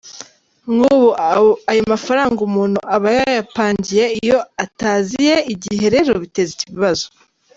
Nk’ubu ayo mafaranga umuntu aba yayapangiye iyo ataziye igihe rero biteza ibibazo.